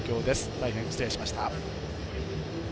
大変、失礼しました。